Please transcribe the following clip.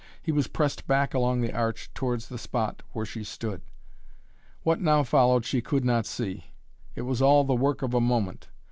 He was pressed back along the Arch towards the spot where she stood. What now followed she could not see. It was all the work of a moment.